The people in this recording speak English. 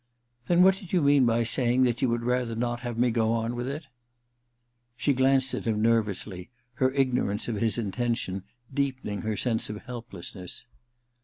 * *Then what did you mean by saying that you would rather not have me go on with it ?' She glanced at him nervously, her ignorance of his intention deepening her sense of helpless ness.